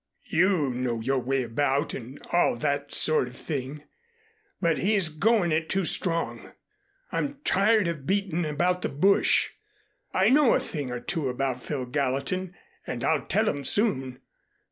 You know your way about and all that sort of thing, but he's going it too strong. I'm tired of beatin' about the bush. I know a thing or two about Phil Gallatin and I'll tell 'em soon.